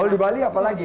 kalau di bali apalagi